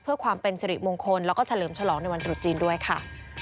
เพื่อความเป็นสิริมงคลแล้วก็เฉลิมฉลองในวันตรุษจีนด้วยค่ะ